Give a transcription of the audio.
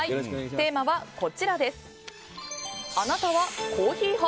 テーマは、あなたはコーヒー派？